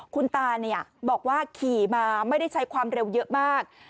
คุณตาบอกว่าขี่มาไม่ได้ใช้ความเร็วเยอะมาก